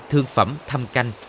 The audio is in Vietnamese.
thương phẩm thăm canh